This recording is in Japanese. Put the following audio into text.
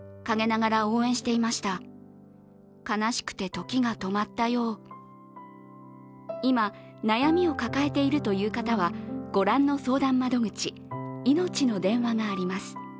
突然の訃報に芸能界からは今、悩みを抱えているという方はご覧の相談窓口、いのちの電話があります。